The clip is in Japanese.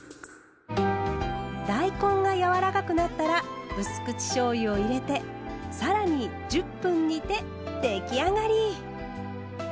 大根がやわらかくなったらうす口しょうゆを入れてさらに１０分煮て出来上がり！